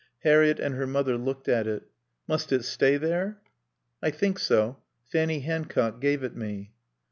Harriett and her mother looked at it. "Must it stay there?" "I think so. Fanny Hancock gave it me."